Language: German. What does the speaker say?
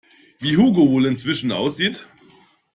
Wie Hugo wohl inzwischen aussieht?